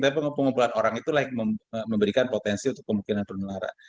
tapi pengumpulan orang itu memberikan potensi untuk kemungkinan penularan